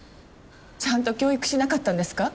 ちゃんと教育しなかったんですか？